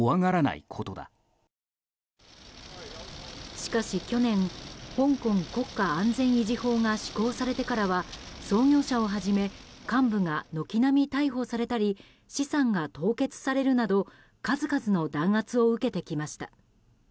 しかし、去年香港国家安全維持法が施行されてからは創業者をはじめ幹部が軒並み逮捕されたり資産が凍結されるなど数々の弾圧を受けてきました。